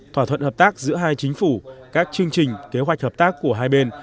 thỏa thuận hợp tác giữa hai chính phủ các chương trình kế hoạch hợp tác của hai bên